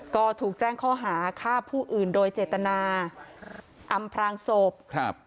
ก็ถูกแจ้งข้อหาฆ่าผู้อื่นโดยเจตนาอำพลางศพครับ